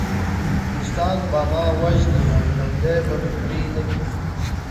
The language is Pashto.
روسان به ما وژني او ژوندی به مې پرېنږدي